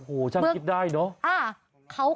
โอ้โหช่างคิดได้เนอะ